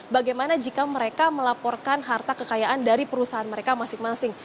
bagaimana jika mereka melaporkan harta kekayaan dari perusahaan mereka masing masing